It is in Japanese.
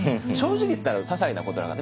正直言ったらささいなこと。